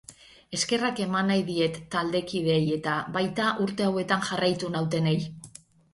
Eskerrak eman nahi diet taldekideei eta, baita, urte hauetan jarraitu nautenei.